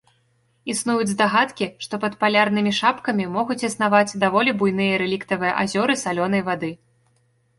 Існуюць здагадкі, што пад палярнымі шапкамі могуць існаваць даволі буйныя рэліктавыя азёры салёнай вады.